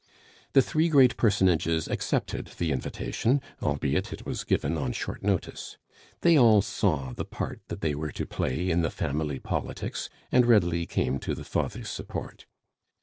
The three great personages accepted the invitation, albeit it was given on short notice; they all saw the part that they were to play in the family politics, and readily came to the father's support.